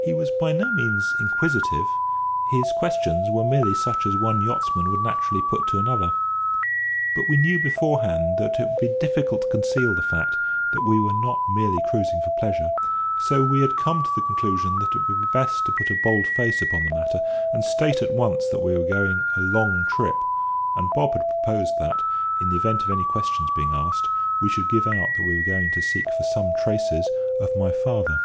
He was by no means inquisitive; his questions were merely such as one yachtsman would naturally put to another. But we knew beforehand that it would be difficult to conceal the fact that we were not merely cruising for pleasure; so we had come to the conclusion that it would be best to put a bold face upon the matter, and state at once that we were going a long trip; and Bob had proposed that, in the event of any questions being asked, we should give out that we were going to seek for some traces of my father.